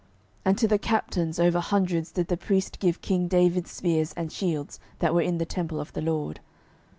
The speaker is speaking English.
12:011:010 And to the captains over hundreds did the priest give king David's spears and shields, that were in the temple of the LORD.